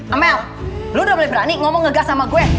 amel lu udah mulai berani ngomong ngegas sama gue